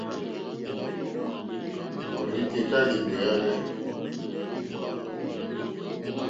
Òrzìkèká lìɡbèáhwɛ̂.